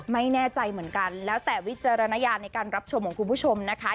ไม่แน่ใจเหมือนกันแล้วแต่วิจารณญาณในการรับชมของคุณผู้ชมนะคะ